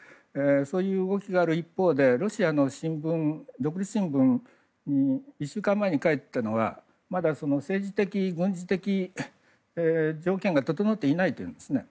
そういう動きがある一方でロシアの独立新聞が１週間前に書いていたのはまだ、政治的、軍事的条件が整っていないというんですね。